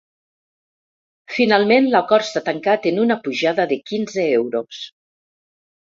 Finalment l’acord s’ha tancat en una pujada de quinze euros.